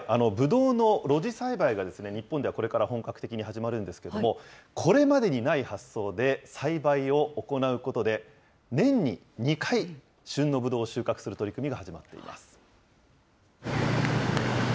ぶどうの露地栽培が日本ではこれから本格的に始まるんですけども、これまでにない発想で、栽培を行うことで、年に２回、旬のぶどうを収穫する取り組みが始まっています。